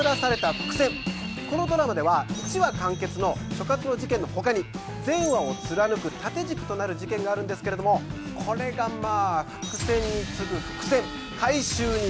このドラマでは１話完結の所轄の事件の他に全話を貫く縦軸となる事件があるんですけれどもこれがまあ。